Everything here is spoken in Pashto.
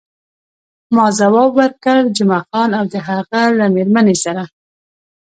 ما ځواب ورکړ، جمعه خان او د هغه له میرمنې سره.